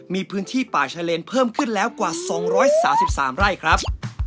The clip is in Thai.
มีพื้นที่ป่าชะเลนเพิ่มขึ้นแล้วกว่า๒๓๓ไร่ครับ